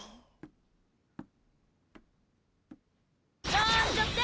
なーんちゃって！